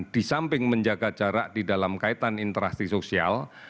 di samping menjaga jarak di dalam kaitan interaksi sosial